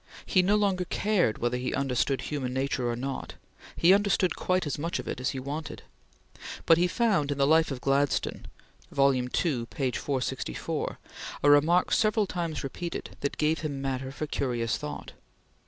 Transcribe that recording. He no longer cared whether he understood human nature or not; he understood quite as much of it as he wanted; but he found in the "Life of Gladstone" (II, 464) a remark several times repeated that gave him matter for curious thought.